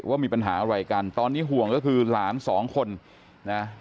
ว่ามีปัญหาอะไรกันตอนนี้ห่วงก็คือหลานสองคนนะ